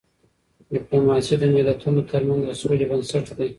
ډيپلوماسی د ملتونو ترمنځ د سولې بنسټ دی.